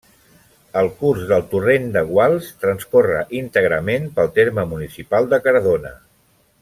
El curs del Torrent de Guals transcorre íntegrament pel terme municipal de Cardona.